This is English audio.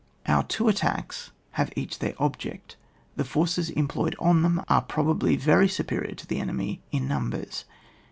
93 Our two attacks have each their ob ject; the forces employed on them are probably very superior to the enemy in numbers.